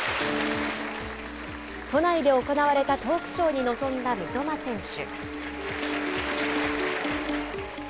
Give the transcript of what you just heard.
都内で行われたトークショーに臨んだ三笘選手。